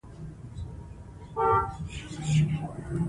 W